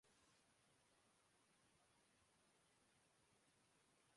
سابق وزیراعظم کی مشیر خزانہ کو انفرادی انکم ٹیکس میں فوری کمی کی ہدایت